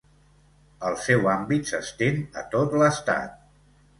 El seu àmbit s'estén a tot l'Estat.